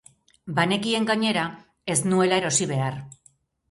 Banekien gainera ez nuela erosi behar!